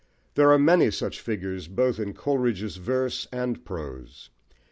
There are many such figures both in Coleridge's verse and prose.